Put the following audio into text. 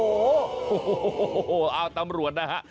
โอ้โหเอาตำรวจนะฮะ